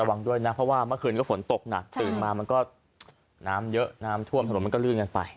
วังด้วยนะเพราะว่าเมื่อคืนก็ฝนตกหนักตื่นมามันก็น้ำเยอะน้ำท่วมถนนมันก็ลื่นกันไป